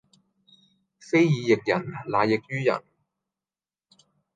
非以役人乃役於人